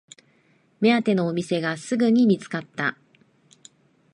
目当てのお店がすぐに見つかった